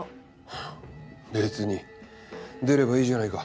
はぁべつに出ればいいじゃないか。